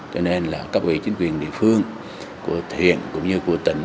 cho nên là các vị chính quyền địa phương của thuyện cũng như của tỉnh